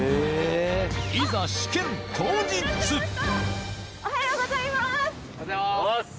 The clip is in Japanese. いざおはようございます！